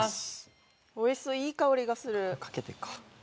おいしそういい香りがする。